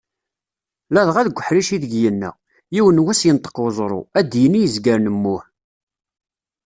Ladɣa deg uḥric ideg yenna, "Yiwen wass yenṭeq uẓru, ad d-yini i yizgaren mmuh".